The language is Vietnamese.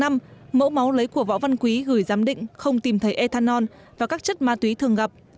mẫu máu lấy của võ văn quý gửi giám định không tìm thấy ethanol và các chất ma túy thường gặp